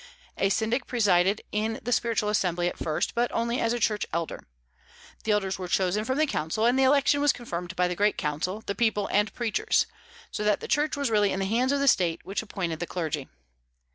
A syndic presided in the spiritual assembly at first, but only as a church elder. The elders were chosen from the council, and the election was confirmed by the great council, the people, and preachers; so that the Church was really in the hands of the State, which appointed the clergy.